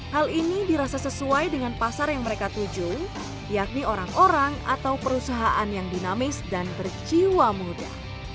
hal ini dirasa sesuai dengan pasar yang mereka tuju yakni orang orang atau perusahaan yang dinamis dan berjiwa muda